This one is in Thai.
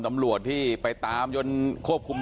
ตำรวจต้องไล่ตามกว่าจะรองรับเหตุได้